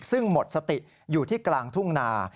ซึ่งหมดสติอยู่ที่กลางทุ่งนา